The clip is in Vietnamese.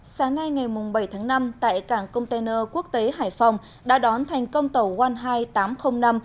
sáng nay ngày bảy tháng năm tại cảng container quốc tế hải phòng đã đón thành công tàu one hai tám trăm linh năm